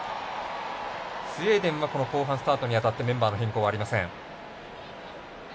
スウェーデンは後半スタートにあたってメンバーの変更ありません。